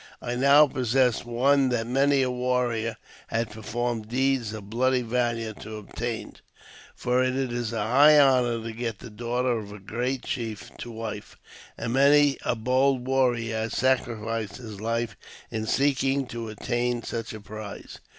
I now possessed one that many a warrior had performed deeds of bloody valour to obtain ; for it is a high honour to get the daughter of a great chief to wife, and many a bold warrior has sacrificed his life in seeking to attain such a prize.